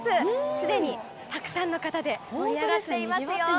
すでに、たくさんの方で盛り上がっていますよ。